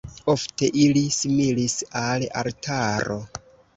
Ofte ili similis al altaro.